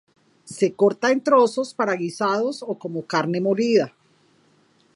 Se corta en trozos para guisados o como carne molida.